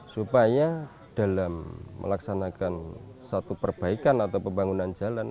supaya dalam melaksanakan satu perbaikan atau pembangunan jalan